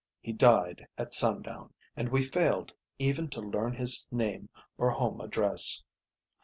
He died at sundown, and we failed, even to learn him name or home address.